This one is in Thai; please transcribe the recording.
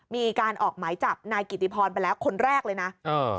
มีการออกหมายจับนายกิติพรไปแล้วคนแรกเลยนะเออ